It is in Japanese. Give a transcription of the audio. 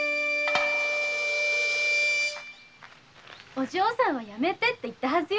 お嬢さんはやめてって言ったはずよ。